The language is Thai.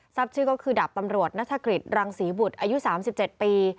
ชื่อก็คือดาบตำรวจนัชกฤษรังศรีบุตรอายุ๓๗ปี